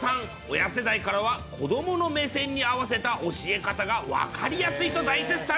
親世代からは、子どもの目線に合わせた教え方が分かりやすいと、大絶賛。